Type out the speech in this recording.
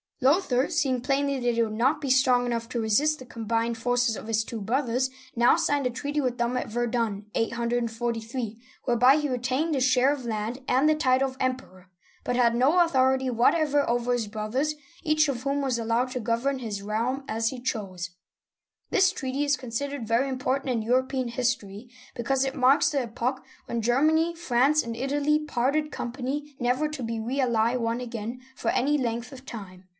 ^ Lothair, seeing plainly that he would not be strong enough to resist the combined forces of his two brothers, now signed a treaty with them at Verdun' (843), whereby 1 Ogg's Source Book of Mediaval History^ p. 153. uigiTizea oy VjOOQIC CHARLES I., THE BALD (840 877) 91 he retained his share of land, and the title of Emperor, but had no authority whatever over his brothers, each of whom was allowed to govern his realm as he chose. This treaty is considered very important in European history, because it marks the epoch when Germany, France, and Italy parted company, never to be really one again for any length of time.